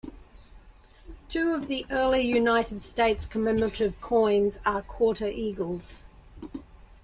Two of the Early United States commemorative coins are Quarter eagles.